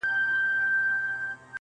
درد کور ټول اغېزمن کوي تل,